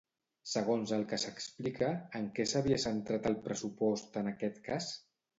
Segons el que s'explica, en què s'havia centrat el pressupost en aquest cas?